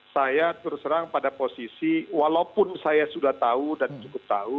saya terus terang pada posisi walaupun saya sudah tahu dan cukup tahu